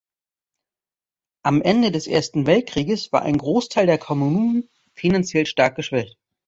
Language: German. Am Ende des Ersten Weltkrieges war ein Großteil der Kommunen finanziell stark geschwächt.